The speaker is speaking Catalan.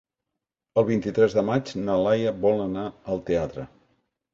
El vint-i-tres de maig na Laia vol anar al teatre.